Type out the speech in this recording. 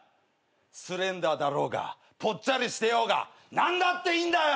スレンダーだろうがぽっちゃりしてようが何だっていいんだよ！